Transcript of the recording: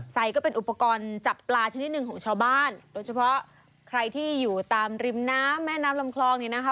ก็เป็นอุปกรณ์จับปลาชนิดหนึ่งของชาวบ้านโดยเฉพาะใครที่อยู่ตามริมน้ำแม่น้ำลำคลองเนี่ยนะคะ